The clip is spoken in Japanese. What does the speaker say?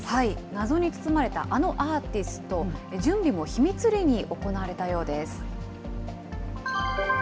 謎に包まれたあのアーティスト、準備も秘密裏に行われたようです。